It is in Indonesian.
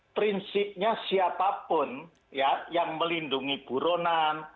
prinsipnya siapapun yang melindungi buronan